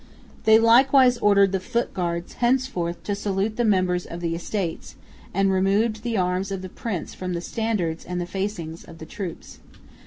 They likewise ordered the foot guards henceforth to salute the members of the Estates, and removed the arms of the prince from the standards and the facings of the troops.